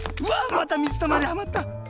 またみずたまりにはまった！